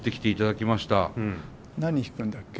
何弾くんだっけ？